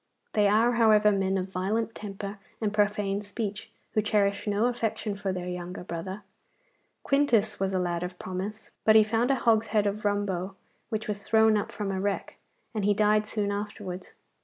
They are, however, men of violent temper and profane speech, who cherish no affection for their younger brother. Quintus was a lad of promise, but he found a hogshead of rumbo which was thrown up from a wreck, and he died soon afterwards.